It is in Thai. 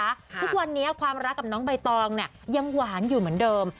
ทุกวันนี้ความรักกับน้องใบตองเนี่ยยังหวานอยู่เหมือนเดิม